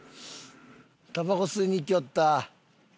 たばこ吸いに行きよった。